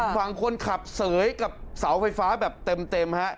ฝั่งคนขับเสยกับเสาไฟฟ้าแบบเต็มฮะ